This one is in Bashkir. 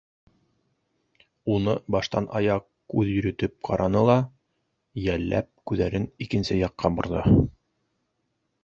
Уны баштан-аяҡ күҙ йөрөтөп ҡараны ла, йәлләп, күҙҙәрен икенсе яҡҡа борҙо.